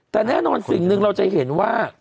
แต่แน่นอนสิ่งหนึ่งเราจะเห็นว่า